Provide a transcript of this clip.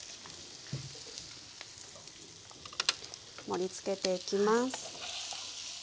盛りつけていきます。